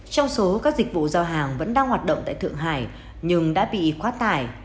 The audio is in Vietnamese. trong số các dịch vụ giao hàng vẫn đang hoạt động tại thượng hải nhưng đã bị quá tải